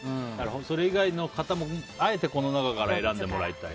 それ以外の方もあえてこの中から選んでもらいたい。